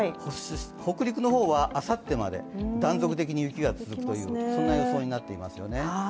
北陸の方はあさってまで断続的に雪が続くという予想になっていますね。